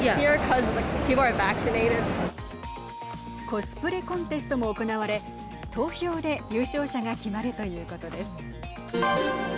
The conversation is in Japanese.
コスプレコンテストも行われ投票で優勝者が決まるということです。